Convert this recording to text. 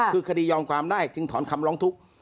คือคดียอมความได้จึงถอนคำร้องทุกข์